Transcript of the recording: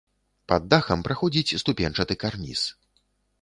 Пад дахам праходзіць ступеньчаты карніз.